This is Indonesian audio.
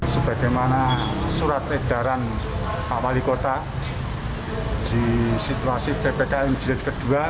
sebagai mana surat redaran pak wali kota di situasi ppkm jilid kedua